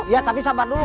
ya tapi sabar dulu kang